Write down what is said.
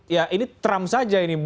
ya ini trump saja ini